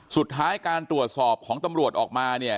สุดท้ายการตรวจสอบของตำรวจออกมาเนี่ย